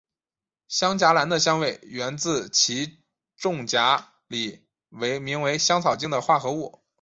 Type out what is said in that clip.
香荚兰的香味源自其种荚里名为香草精的化合物。